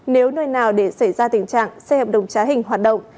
nếu nơi nào để xảy ra tình trạng xe hợp đồng trá hình hoạt động